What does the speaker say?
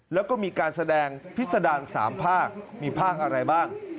แล้วก็มีการแสดงพิษดาร๓ภาคมีภาคอะไรบ้าง